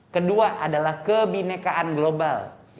kedua adalah kebinekaan global